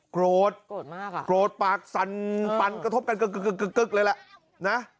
โกรธโกรธมากอ่ะโกรธปากสั่นปั่นกระทบกันกึกเลยแหละนะ